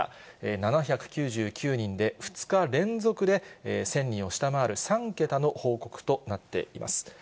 ７９９人で、２日連続で１０００人を下回る３桁の報告となっています。